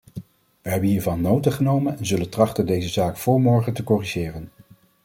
Wij hebben hiervan nota genomen en zullen trachten deze zaak vóór morgen te corrigeren.